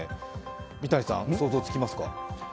三谷さん、想像つきますか？